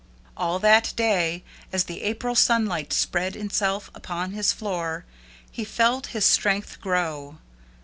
All that day, as the April sunlight spread itself upon his floor, he felt his strength grow.